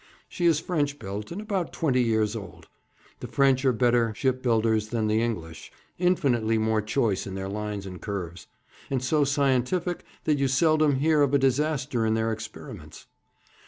'She is French built, and about twenty years old. The French are better ship builders than the English infinitely more choice in their lines and curves, and so scientific that you seldom hear of a disaster in their experiments.